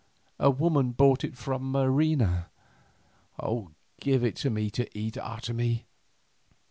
A woman brought it from Marina." "Give me to eat, Otomie."